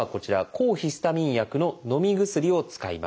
抗ヒスタミン薬ののみ薬を使います。